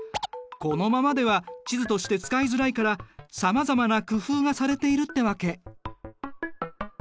このままでは地図として使いづらいからさまざまな工夫がされているってわけ。